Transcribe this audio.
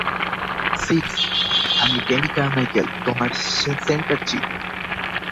Six, আমি Danny Carmichael, তোমার centre chief.